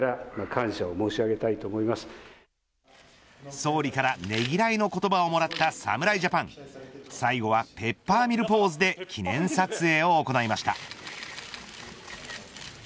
総理から、ねぎらいの言葉をもらった侍ジャパン最後はペッパーミルポーズで記念撮影を行いました。